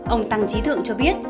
ông tăng trí thượng cho biết